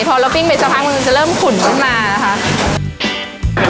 พอเราปิ้งเบจภักดิ์มันจะเริ่มขุนขึ้นมา